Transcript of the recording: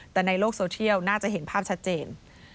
แต่ในโลกโซเทียลน่าจะเห็นภาพชัดเจน